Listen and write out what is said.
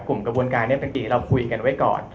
กลุ่มกระบวนการนี้เป็นที่เราคุยกันไว้ก่อน